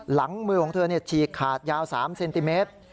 หลังมือของเธอฉีกขาดยาว๓เซนติเมตร